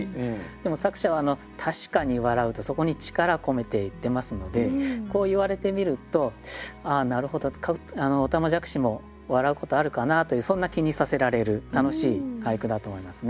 でも作者は「確かに笑ふ」とそこに力込めて言ってますのでこう言われてみるとああなるほどおたまじゃくしも笑うことあるかなというそんな気にさせられる楽しい俳句だと思いますね。